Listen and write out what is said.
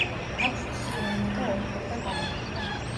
აქვს სხვენი და ორფერდა გადახურვა.